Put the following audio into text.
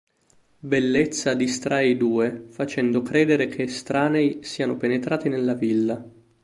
Bellezza distrae i due facendo credere che estranei siano penetrati nella villa.